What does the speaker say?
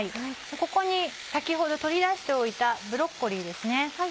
ここに先ほど取り出しておいたブロッコリーですね。